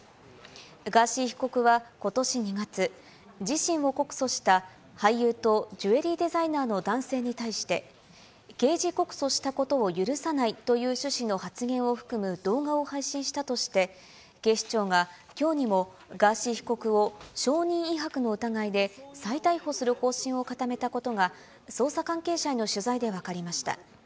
ガーシー被告はことし２月、自身を告訴した俳優とジュエリーデザイナーの男性に対して、刑事告訴したことを許さないという趣旨の発言を含む動画を配信したとして、警視庁がきょうにもガーシー被告を証人威迫の疑いで再逮捕する方針を固めたことが、捜査関係者への取材で分かりました。